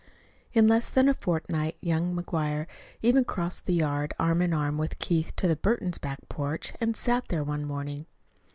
In less than a fortnight young McGuire even crossed the yard arm in arm with Keith to the Burtons' back porch and sat there one morning.